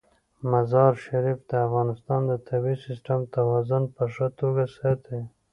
مزارشریف د افغانستان د طبعي سیسټم توازن په ښه توګه ساتي.